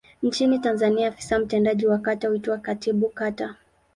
Nchini Tanzania afisa mtendaji wa kata huitwa Katibu Kata.